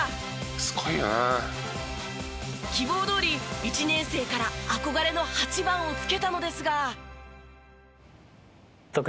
「すごいね」希望どおり１年生から憧れの８番をつけたのですが。